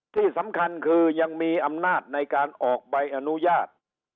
ที่สำคัญคือยังมีอำนาจในการออกใบอนุญาต